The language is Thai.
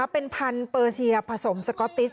เป็นพันธุ์เปอร์เซียผสมสก๊อตติส